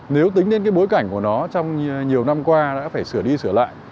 nếu tính đến cái bối cảnh của nó trong nhiều năm qua đã phải sửa đi sửa lại